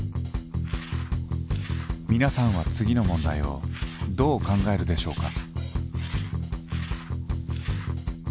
みなさんは次の問題をどう考えるでしょうか？